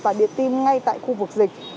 và điện tim ngay tại khu vực dịch